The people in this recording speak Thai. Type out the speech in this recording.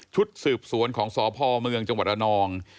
ชุดสืบสวนของสพเมืองจังหวัดระนอง